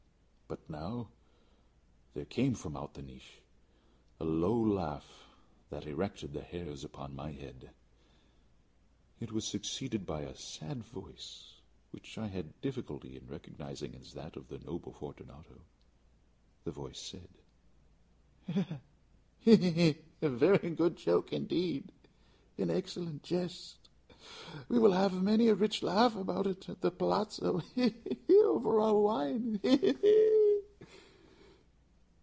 But now there came from out the niche a low laugh that erected the hairs upon my head. It was succeeded by a sad voice, which I had difficulty in recognizing as that of the noble Fortunato. The voice said "Ha! ha! ha! he! he! he! a very good joke indeed an excellent jest. We shall have many a rich laugh about it at the palazzo he! he! he! over our wine he! he! he!"